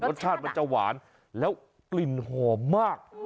รสชาติมันจะหวานแล้วกลิ่นหอมมาก